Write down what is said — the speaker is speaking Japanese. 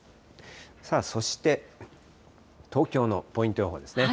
そして東京のポイント予報ですね。